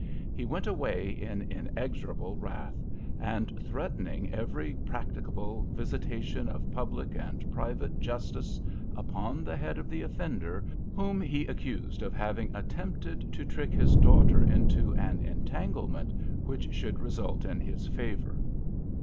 He went away in inexorable wrath; threatening every practicable visitation of public and private justice upon the head of the offender, whom he accused of having attempted to trick his daughter into an entanglement which should result in his favor.